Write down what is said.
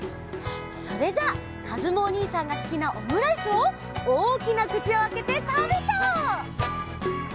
それじゃあかずむおにいさんがすきなオムライスをおおきなくちをあけてたべちゃおう！